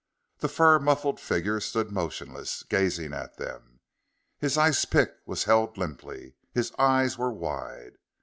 The fur muffled figure stood motionless, gazing at them. His ice pick was held limply, his eyes were wide.